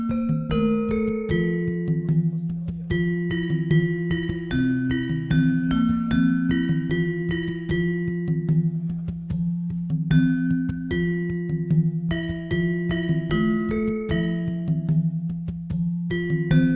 untuk mendapatkan hasil yang terbaik pewarna membuat kain batik yang terbaik untuk diteruskan